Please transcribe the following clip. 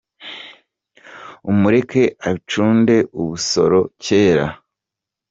Umureke acunde ubusoro kera